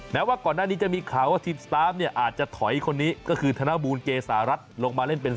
แม้ว่าก่อนหน้านี้จะมีข่าวว่าทีมสตาร์ฟเนี่ยอาจจะถอยคนนี้ก็คือธนบูลเกษารัฐลงมาเล่นเป็น